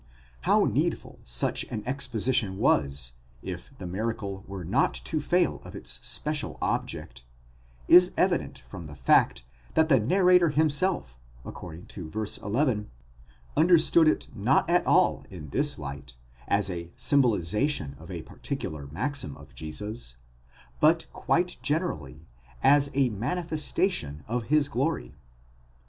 43 How needful such an exposition was, if the miracle were not to fail of its special object, is evi dent from the fact, that the narrator himself, according to v. 11, understood it not at all in this light, as a symbolization of a particular maxim of Jesus, but quite generally, as a manifestation φανέρωσις of his glory.